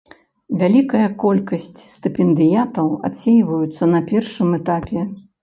Вялікая колькасць стыпендыятаў адсейваюцца на першым этапе.